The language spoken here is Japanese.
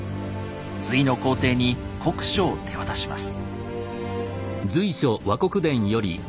隋の皇帝に国書を手渡します。